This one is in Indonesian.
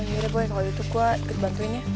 ya udah boy kalau gitu gue ikut bantuin ya